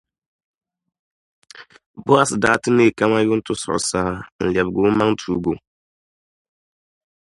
Bɔaz daa ti neei kaman yuntisuɣu saha n-lebigi omaŋ’ tuugi o.